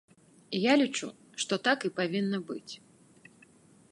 Я лічу, што так і павінна быць.